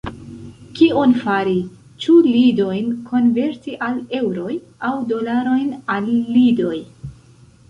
Kion fari: ĉu lidojn konverti al eŭroj, aŭ dolarojn al lidoj?